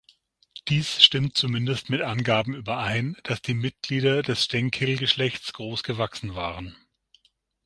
Dies stimmt zumindest mit Angaben überein, dass die Mitglieder des Stenkil-Geschlechts groß gewachsen waren.